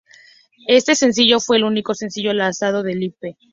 Este sencillo fue el único sencillo lanzado de "Live!